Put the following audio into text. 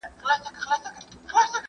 تاسو اتلان یاست.